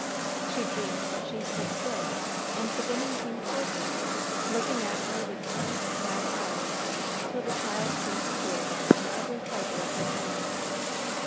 She dreamed that she stood still, and the woman came toward her, looking at her with sweet, sad eyes, till the child seemed to feel them in every fibre of her frame.